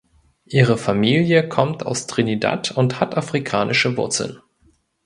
Ihre Familie kommt aus Trinidad und hat afrikanische Wurzeln.